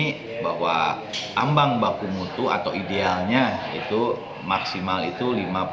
ini bahwa ambang baku mutu atau idealnya itu maksimal itu lima puluh